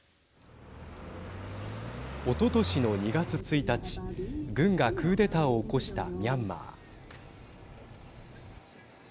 おととしの２月１日軍がクーデターを起こしたミャンマー。